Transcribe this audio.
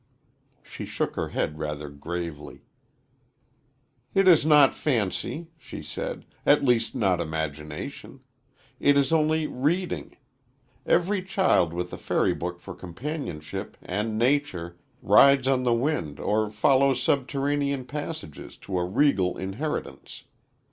She shook her head rather gravely. "It is not fancy," she said, "at least not imagination. It is only reading. Every child with a fairy book for companionship, and nature, rides on the wind or follows subterranean passages to a regal inheritance.